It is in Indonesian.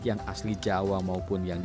yang asli jawa maupun yang di